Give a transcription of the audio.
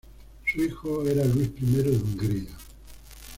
Su hijo era Luis I de Hungría.